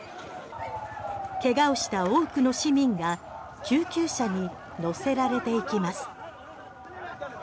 怪我をした多くの市民が救急車に乗せられていきます。